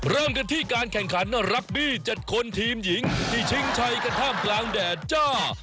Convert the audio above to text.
เริ่มกันที่การแข่งขันรักบี้๗คนทีมหญิงที่ชิงชัยกันท่ามกลางแดดจ้า